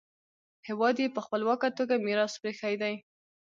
هېواد یې په خپلواکه توګه میراث پریښی دی.